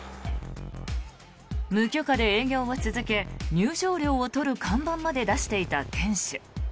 無許可で営業を続け入場料を取る看板まで出していた店主。